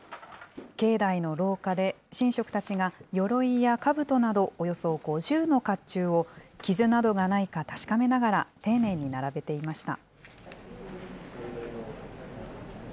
境内の廊下で、神職たちが、よろいやかぶとなど、およそ５０のかっちゅうを傷などがないか確かめながら、丁寧に並べていました。